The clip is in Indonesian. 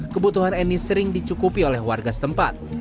kebutuhan eni sering dicukupi oleh warga setempat